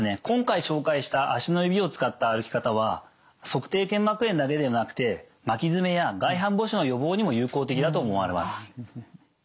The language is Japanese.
今回紹介した足の指を使った歩き方は足底腱膜炎だけでなくて巻き爪や外反母趾の予防にも有効的だと思われます。